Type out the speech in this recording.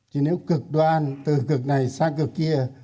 chứ nếu cực đoan từ cực này sang cực kia